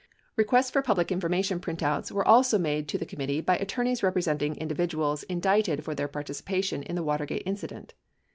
Requests for public information printouts were also made to the committee by attorneys representing individuals indicted for their participation in the Watergate incident.